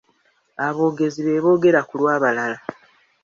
Aboogezi beeboogera ku lw'abalala.